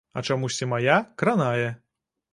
А чамусьці мая кранае.